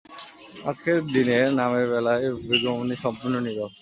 আজকের দিনের নামের বেলায় ভৃগুমুনি সম্পূর্ণ নীরব।